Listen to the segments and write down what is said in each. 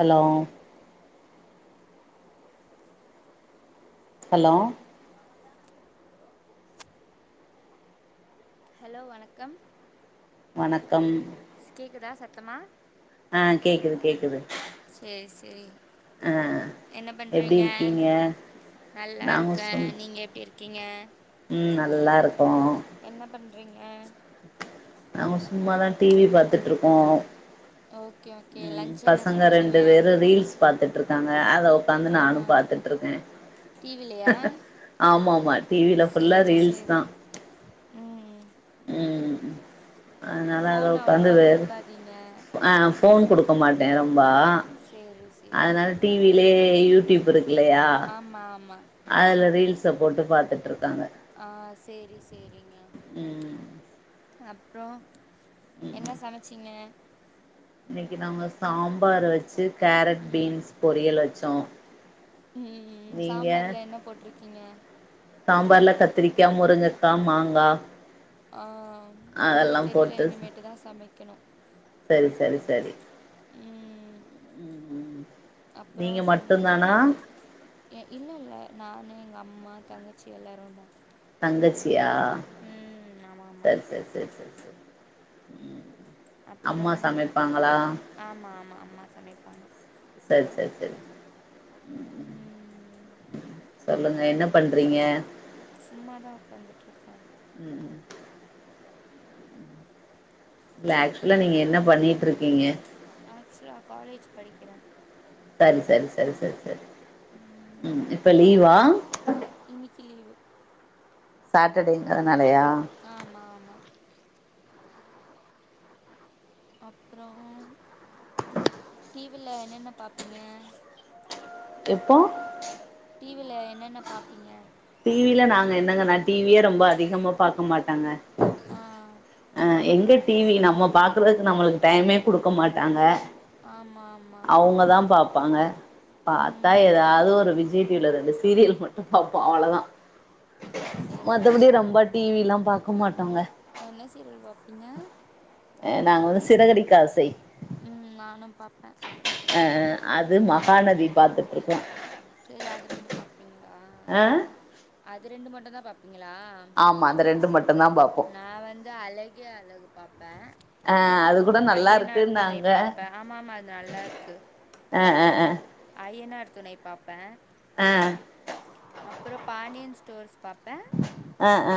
Hello hello [inaudible] hello வணக்கம் வணக்கம் கேக்குதா சத்தமா அ கேக்குது கேக்குது சேரி சேரி ஆ என்ன எப்டி பண்றீங்க இருக்கீங்க நாங்க நல்லாருக்க சும் நீங்க எப்டி இருக் கிங்க ம் நல்லாருக்கோ என்ன பண்றீங்க நாங்க சும்மாதா டிவி பாத்துட்ருக்கோ ஓகே ஓகே ம் லன்ச் என்ன பசங்க சமச்சீங்க ரெண்டு பேரு ரீல்ஸ் பாத்துட்ருக்காங்க அத ஒக்காந்து ஆ நானு பாத்துட் ட்ருக்க டிவிலயா ஆமாமா டிவில ஃபுல்லா சேரி ரீல்ஸ் தா சேரி ம் ம் அ நல்லா அத ஃபோன் ஒக்காந்து அவ்ளோவா பே குடுக்காதீங்க அ ஃபோன் குடுக்க மாட்டேன் ரொம்பா சேரி சேரி அதனால டி வி லயே யூடியூப் இருக் இல்லயா அம்மா ஆம்மா அதுல ரீல் ச போட்டு பாத்துட்ருக்காங்க ஆ சேரி சேரிங்க ம் அப்றோம் என்ன சமச்சீங்க இன்னைக்கி நாங்க சாம்பார வச்சு கேரட் ம் பீன்ஸ் பொரியல் வச்சோம் ம் ம் சாம்பாருல என்ன போட்ருக்கீங்க சாம்பார்ல கத்திரிக்கா முருங்கக்கா மாங்கா ஆ நாங்க அதெல்லா தெரியில இனிமேட்டுதா சமைக்கணு சல் சரி சரி ம் ம் நீங்க அப்பறோம் சொல்லுங்க மட்டுந்தானா கே இல்ல இல்ல நானு எங்க அம்மா தங்கச்சி எல்லாரும் தா தங்கச்சியா ஆமாம் ஆமாம் சரி சர் சர் சர் சரி ம் அப்பறோம் ஆமா ஆமா அம்மா சமைப்பாங்க சர் சர் சரி ம் சொல்லுங்க என்ன பண்றீங்க சும்மாதா ஒக்காந்துட்ருக்க ம் இல்ல ஆக்சுலா நீங்க என்ன பண்ணீட்ருக்கீங்க ஆக்சுவலா காலேஜ் படிக்கிற சரி சரி சரி சரி ம் இப்ப லீவா இன்னிக்கி லீவு சாட்டர்டேங்கறனாலயா ஆமா ஆமா அப்றோம் டி வி ல என்னென்ன பாப்பீங்க எப்போ டி வி ல என்னென்ன பாப்பீங்க டி வி ல நாங்க என்னங்க நா டி வி யே ரொம்ப அதிகமா பாக்க மாட்டங்க ஆ அ எங்க டி வி நம்ம பாக்குறதுக்கு நம்மளுக்கு டைமே குடுக்க மாட்டாங்க ஆமாம் ஆமாம் அவுங்கதான் பாப் பாங்க பாத்தா ம் ஏதாது ஒரு விஜய் டி வி ல ரெண்டு சீரியல் மட்டு பா போ அவ்ளதா சேரி மத்தபடி சேரி ரொம்ப டி வி ல்லா பாக்க மாட்டோங்க என்ன சீரியல் பாப்பீங்க அ நாங்க வந்து சிறகடிக்க ஆசை ம் நானும் பாப்ப அ அது மகாநதி பாத்துட்ருக்கோ ட்ரேரி அது ரெண்டு பாப்பீங்ளா அ அது ரெண்டு மட்டுந் தா பாப்பீங்களா ஆமா அந்த ரெண்டு மாட்டுந் தா பாப்போ தெ அலகியே அலகு பாப்போ அ அது கூட நல்லா ஐயனார் துணை இருக்குன்னாங்க பாப்பே ஆமாம்மா அது நல்லா இருக்கு அ அ அ ஐயனார் துணை பாப்பே ஆ அப்புறம் பாடியன் ஸ்டோர்ஸ் பாப்போ அ ஆ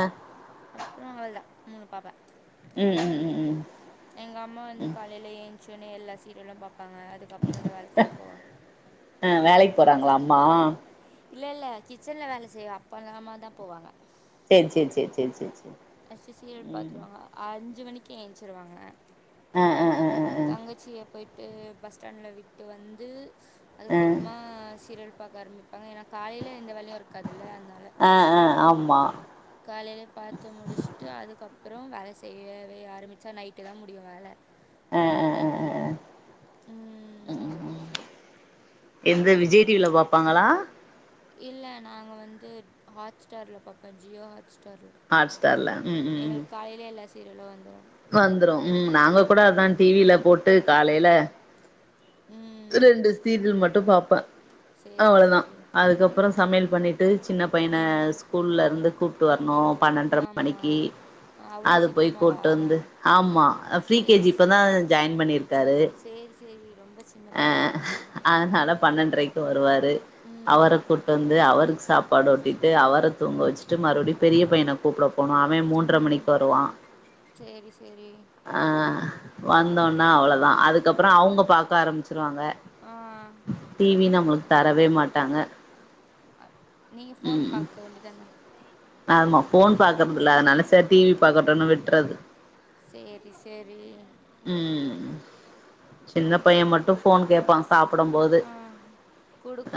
அப்புறோ அதள மூ பாப்போ ம் ம் ம் ம் எங்க அம்மா வந்து காலையில ஏய்ந்ச்சுனே எல்லா சீரியலூ பாப்பாங்க அதுக்கப்புறோ தா வேல செய்ய போவோங்க ஆ வேலைக்கு போறாங்களா அம்மா இல்ல இல்ல கிச்சன்ல வேல செய்றாங் அப்பறமா தா போவாங்க சேர் சேர் சேர் சேர் சேர் சேரி ஃப்ஸ்ட்டு சீரியல ம் பார்த்துருவாங்க அஞ்சு மணிக்கே எய்ஞ்ச்சுருவாங்க ஆ ஆ ஆ ஆ ஆ தங்கச்சிய போய்ட்டு பஸ் ஸ்டாண்டுல விட்டு வந்து அதுக்கப்புமா சீரியல் பாக்க ஆரம்பிப்பாங்க ஏன்னா காலயில எந்த வேலையூ இருக் காது இல்ல அத்னால ஆ ஆ ஆ ஆமா காலயிலே பாத் த்து முடிஸ்சுட்டு அதுக்கப்புறோ வேல செய்யவ்வே ஆரம்பிச்சா நைட்டு தா முடியும் வேல அ ஆ ஆ ஆ ம் எந்த விஜய் டி வில பாப்பாங்களா இல்ல நாங்க வந்து ஹாட்ஸ்டார்ல்ல பாப்போம் ஜியோ ஹாட் ஸ்டார்ல ஹாட்ஸ்டார்ல்ல ம் ம் ம் அதுலே எல்லா சீரியலூ வந்துரூ வந்துரூம் நாங்க கூட அதா டி வில போட்டு காலய்யில ம் திரூன்ற சீரியல் மட்டூ பாப்பே சரி அவ்ளதா சரி அதுக்கப்புறோ சமையல் பண்ணிட்டு சின்ன பையன ம் ஸ்கூல்லருந்து கூப்ட்டு வரணோ பன்னென்ர ஆமா மணிக்கு அவ்ளோ அது சீக்கிரமாவா போய்கூட்டு வந்து ஆமா ஃப்ரீ கேஜி இப்பதா ஜாயின் பண்ணியிருக்காரு சேர் சேரி ரொம்ப சின்ன பையனா அதனால பன்னெண்டரைக்கு வருவாரு ம் அவர கூட்டு வந்து அவருக்கு சாப் பாடு ஊட்டிட்டு அவரைன தூங்க வெச்சுட்டு மறுபடியூ பெரிய பையன கூப்பிட போனோ அவே மூன்ரை ம் மணிக்கு வருவான் சேரி சேரி அ வந்தோட்னா அவ்ளோதா அதுக்கப்புறம் அவுங்க பாக்க ஆரம்பிச்சிருவாங்க ஆ டி வி நம்மளுக்கு தரவே மாட்டாங்க நீங்க ம் ஃபோன் ம் பாக்க வேண்டியத் தான ஆமா ஃபோன் பாக்குறதில்ல அதனால சேர் டி வி பாக்கட்டுன்னு விட்றது சேரி சேரி ம் சின்ன பையோ மட்டூ ஃபோன் கேப்பா சாப்புடும் போது ஆ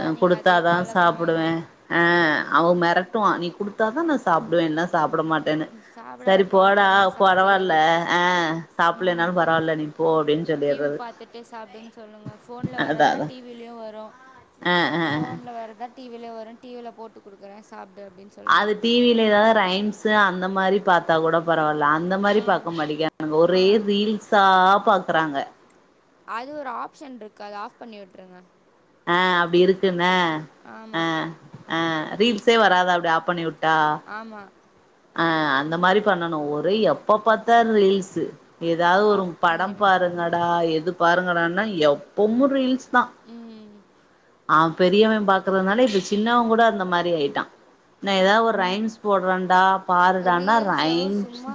அ குடுத்தா அதே தா பழக்கமாயிரு சாப்புடுவே ஆ அவென் மெரட்டுவா நீ குடுத்தா தா நா சாப்டுவே இல்னா சாப்ட மாட் செர்னே சரி சாப்டாதப்பா போடா அப்புறமா சாப்டு பொரவால்ல ஆ சாப்புலனாலூ பரவால்ல நீ போ அப்டின்னு டி வி சொல்லிட்றது பாத்துட்டு சாப்டுன் சொல்லுங்க போன்ல அதா வர்றதா அதா டி விலயு வரு ஆ ஆ போன்ல வர்றதா டி விலயூ வரு டி வில போட்டு குடுக்கற சாப்ட்டு அப்டின் சொ அது டி வில எதாவது ரைம்ஸ்ஸு அந்த மாரி பாத்தா கூட பரவால்ல அ ந்த மாரி பாக்க ஆ மாடிக்றாங்க ஆ ஒரே ரீல்ஸ்ஸா பாக்கறாங்க அது ஒரு ஆப்ஷன்ருக்கு அது ஆஃப் பண்ணி விட்ருங்க ஆ அப்டி இருக்குன்ன ஆமா ஆ ஆ ரீல்ஸே வராதா அப்டி ஆப் பண்ணிவூட்டா ஆமா ஆ அந்த மாரி பண்ணணு ஒரே எப்ப பாத்தால் ரீல்ஸ்ஸு எதாவது ஒரு ஆஃப் பண்ணி படம் விட்ருங்க பாருங்கடா எது பாருங்கடான்னா எப்பமு ரீல்ஸ் தா ம் அவ பெரியவே பாக்றதுனால இப்ப சின்னவ கூட அந்த மாரி ஆயிட்டா நா ஐயோ எதாவ் ஒரு ரொம் ரைம்ஸ் போடுறன்டா ரீல்ஸ்லவு சும்மா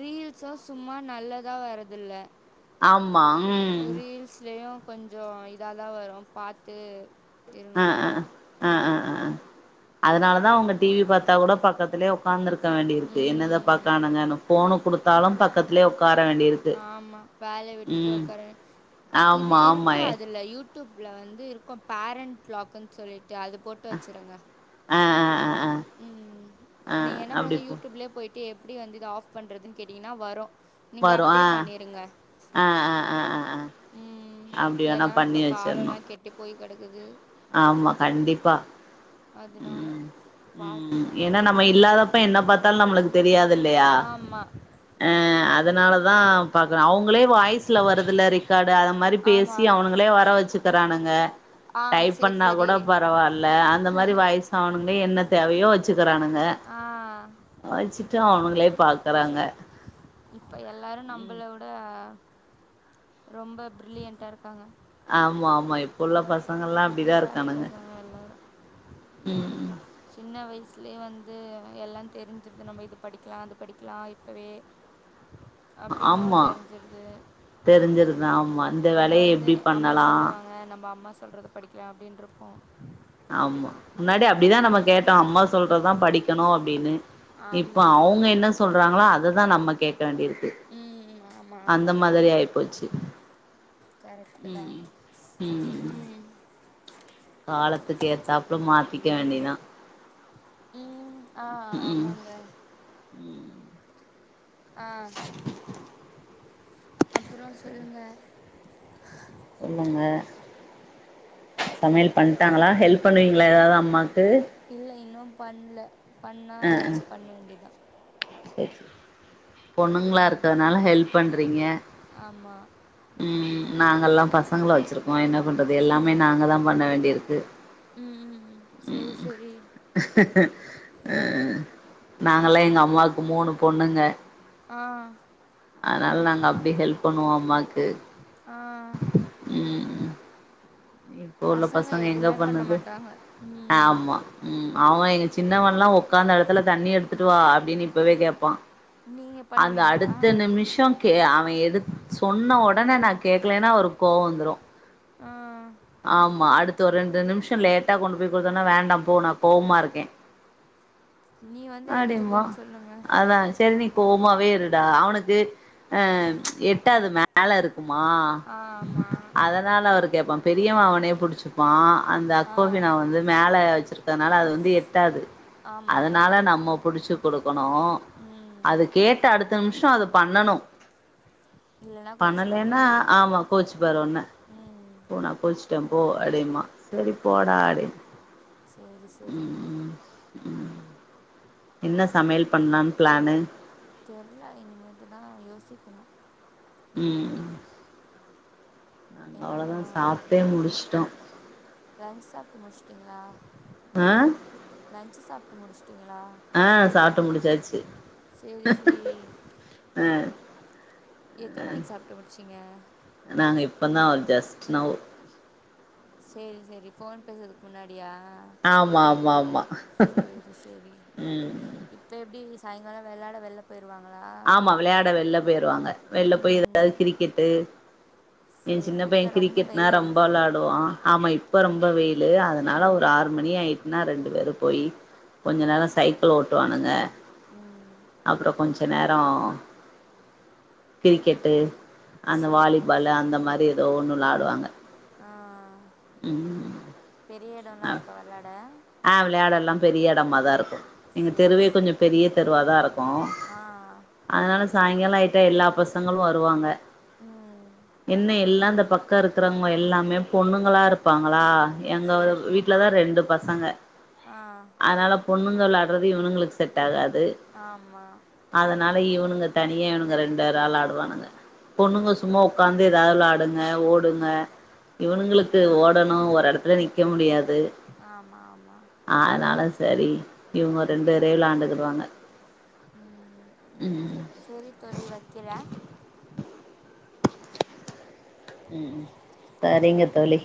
ரீல்ஸு சும்மா நல்லதா வரதுல ஆமா ம் ரீல்ஸ்லையூ கொஞ்சோ இதாதா வரு பாத்து அ இருங்க அ அ அ அ அ அ அதுனால தா அவுங்க டி வி பாத்தா கூட பக்கத்துலே ஒக்காந்துருக் க வேண்டி இருக்கு என்னத ம் பாக்கானுங்கன்னு போனு குடுத்தாலு பக்கத்துலே உக்கார வேண்டி இருக் ஆமா வேல விட்டுட்டு உக்காரே இது ஆமா ஆமா இருக்கு எ அதுல யூட் டூப்ல வந்து இருக்கு பேரண்ட் லாக்குன்னு சொல்லிட்டு அது போட்டு வச்சிருங்க அ அ அ அ ம் ம் நீங்க என்ன பண்ணுங்க யூடியூப்லே போயிட்டு எப்டி வந்து இத ஆஃப் பண்றதுன் கேட்டீங்கன்னா வரு நீங்க அப்டே பண்ணிருங்க அ அ அ அ அ ம். அப்டி வேணா ஏன்னா இப்ப பண்ணி வெச்சர்ணு காலம்லாம் கெட்டு போய் கடக்குது ஆமா கண்டிப்பா அதனால ம் ம் பாத்து. ம் என்னா நம்ம இல்லாதப்ப என்ன பாத்தாலு நம்மளுக்கு தெரியாது இல்லயா ஆமா. ஆ அதுனால தா பாக்கற அவுங்களே வாய்ஸ்ல வருதுல்ல ரிக் காடு அத மாரி ஆமா. பேசி அவனுங்களே வர வச்சிக்கறானுங்க ஆ டைப் சரி, பண்ணா சரி. கூட பரவால்ல அந்த மாரி வாய்ஸ் அவனுங்களே என்ன தேவையோ வெசுக்கறானுங்க ஆ வச்சுட்டு அவனுங்களே பாக்கறாங்க இப்ப எல்லாரு நம்பள விட ரொம்ப பிர்லியண்ட்டா இருக்காங்க ஆமா ஆமா இப்புள்ள பசங்கல்லா அப்டிதா புத்திசாலி இருக்கானுங்க பசங்க எல்லாரும். ம் சின்ன வயசுலே வந்து எல்லா தெரிஞ்சிருது நம்ப இத படிக்கலா அது படிக்கலா இப்பவே அப்டின்னு ஆமா தெரிஞ்சிருது தெரிஞ்சிருது ஆமா இந்த நம்ம வேலைய வந்து எப்டி அம்மா பண்ணலா சொல்லுவாங்க நம்ம அம்மா சொல்றது படிக்கலா அப்டின்ருக்கு ஆமா முன்னாடி அப்டிதா நம்ம கேட்டோ அம்மா சொல்றதுதா படிக்கணு அப்டின்னு இப்ப ஆமாம் அவுங்க என்ன சொல்றாங்களோ அததா நம்ம கேக்க வேண்டி இருக்கு ம் ஆமாம் அந்த ஆமாங்க மாதிரி ஆயிப்போச்சு கரெக்டு தான் ம்ம் ம்ம் ம் காலத்துக்கு ஏத்தாப்புல மாத்திக்க வேண்டியதா ம் ஆ ம் ஆமாங்க ஆ அப்பறோ சொல்லுங்க சொல்லுங்க சமையல் பண்ட்டாங்களா ஹெல்ப் பண்ணுவீங்களா ஏதாவ்து அம்மாக்கு இல்ல இன்னும் பண்ல பண்ணா ஏதாச்சு பண்ண வேண்டிதா சர் சி பொண்ணுங்களா இருக்றனால ஹெல்ப் பண்றீங்க ஆமா ம் நாங்கல்லா பசங்கள வச்சிருக்கோ என்ன பண்றது எல்லாமே நாங்க தா பண்ண வேண்டியிருக்கு ம்ம்ம் செரி செரி அ நாங்கள்ளா எங்க அம்மாக்கு மூணு பொண்ணுங்க ஆ அனால் நாங் அப்டே ஹெல்ப் பண்ணுவோ அம்மாக்கு ஆ ம் உ இப்போ உள்ள பசங்க எங்க எதுவுமே பண்ண பண்ணுது மாட்டாங்க ம் ஆமா ம் அவெ எ சின்னவல்லா உக்காந்த எடத்துல தண்ணி எடுத்துட்டு வா அப்டின்னு இப்பவே கேப்பா நீங்கள் அந்த பண்ணுவீங்களா அடுத்த நிமிஷம் கே அவெ எதுத் சொன்ன ஒடனே நா கேக்லேன்னா அவ்ருக் கோவோ வந்துரு ஆ ஆமா அடுத்து ஒர் ரெண்டு நிம்ஷு லேட்டா கொண்டு போய் குடுத்தன்னா வேண்டா போ கோவ்மா இருக்கே நீ வந்து அடிமா எடுத்துக்கோன்னு சொல்லுங்க அதான்சு தெரினி போமாவே இருடா அவ்னுக்கு அம் எட்டாது மேலரு மா ஆ ஆமா அதனால அவரு கேப்பா பெரியவ அவனே புடிச்சுப் ப்பா அந்த ஆ அக்கோபிநா வந்து மேல வச்சிர்க்கனால அது வந்து எட்டாது ஆமா அதனால கரெக்டு நம்ம தா புடிச்சு கொடுக்கணு ம் அது கேட் ட அடுத்த நிம்ஷோ அது பண்ணனு இல்லன்னா கோச்சுப்பாரு பண்ணலேன்னா ஆமா கோச்சி பார் உன்ன ம் போனா குல்ச்ட்டே போ அடம்பா சரி போடா அடே ச்சேரி சரி ம் ம் என்ன சமையல் பண்லான் ப்ளானு தெர்ல இனிமேட்டு தா யோசிக்குணு ம் நாங்க என்ன அவ்ளோதா பண்ணுவானுன் சாப்ட்டே தெர்ல முடிச்சுட்டோ லன்ச் சாப்ட்டு முட்ச்ட்டீங்ளா ஆ லன்ச்சு சாப்ட்டு முடிச்ட்டீங்களா ஆ சாப்ட்டு முடிச்சாச்சு சேரி சேரி ஆ எத்தன மணிகா சாப்ட்டு முட்ச்சிங்க நாங்க இப்ப தா ஜஸ்ட் நவ் செரி செரி ஃபோன் பேசதுக் முன்னாடியா ஆமா ஆமா ஆமா சேரி சேரி ம் இப்ப எப்டி சாய்ங்கால வெளாட வெள்ல போய்ருவாங்களா ஆமா விளையாட வெல்லம் போய்ருவாங்க வெள்ள போய் ஏதாவ் கிரிக்கெட்டு எ சின்ன சேரி பைய இப்ப ரொம்ப கிரிக்கெட்னா வெயில் ரொம்ப அடிக்குது வெளாடுவா ஆமய் இப்ப ரொம்ப வெயிலு அதனால ஒரு ம் ஆறு மணி ஆயிட்னா ரெண்டு பேரு போயி் கொஞ்ச நேர சைக்கள் ஓட்டுவானுங்க ம் அப்றோ கொஞ்ச் நேரோ கிரிக்கெட்டு அந்த சேரி வாலிபாலு அந்த சேரி மாரி இர் தோ ஒன்னு வெளாடுவாங்க ஆ ம் வீடு எல்லா அ இருக்க விளையாட ஆ விளையாடல்லா பெரிய இடம தான் இருக்கு எங்க சேரி தெருவே கொஞ்சோ சேரி பெரிய தெருவாதா இருக்கு ஆ அதனால சாயங்கால ஆயிட்டா எல்லா பசங்களும் வருவாங்க ம் என்ன எல்லாந்த பக் கத்துல இருக்கறவங்க எல்லாமே பொண்ணுங்களா இருப்பாங்களா எங்க சேரி வீட்டுலதா ரெண்டு பசங்க ஆ அதனால பொண்ணுங்கள் விளாடுறது இவனுங்களுக்கு செட் ஆகாது ஆமா அதனால இவனுங்க தனியா இவனுங்க ரெண்டு பேரு விளாடுவானுங்க பொண்ணுங்க சும்மா உட்காந்து ஏதாவது விளாடுங்க ஓடுங்க இவனுங்களுக்கு ஓடணு ஒரு இடத்துல நிற்க முடியாது ஆமா ஆமா அதனாலும் செரி இவங்க ரெண்டு பேர விளாண்டுகிடுவாங்க ம் செரி தோழி வைக்கிறேன் செரிங்க தோழி